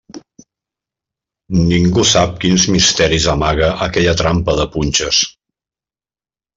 Ningú sap quins misteris amaga aquella trampa de punxes.